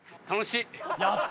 やった！